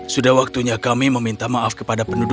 sudah waktunya kami meminta maaf kepada penduduk